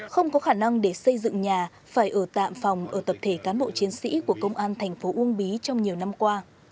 không có khả năng để xây dựng nhà phải ở tạm phòng ở tập thể cán bộ chiến sĩ của công an thành phố uông bí trong nhiều năm qua